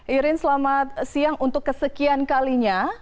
irin selamat siang untuk kesekian kalinya